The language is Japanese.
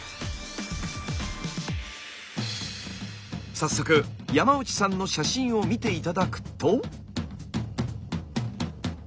早速山内さんの写真を見て頂くと。